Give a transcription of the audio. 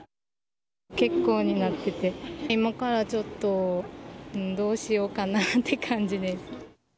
欠航になってて、今からちょっと、どうしようかなって感じです。